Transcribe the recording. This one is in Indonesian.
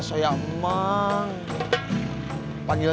perhatian itu terlaluregalo